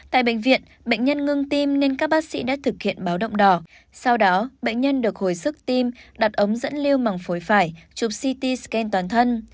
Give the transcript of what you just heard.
tại bệnh viện bệnh nhân ngừng tim nên các bác sĩ đã thực hiện báo động đỏ sau đó bệnh nhân được hồi sức tim đặt ống dẫn lưu bằng phổi phải chụp ct scan toàn thân